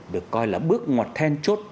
được coi là bước ngọt then chốt